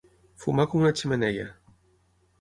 Fumar com una xemeneia.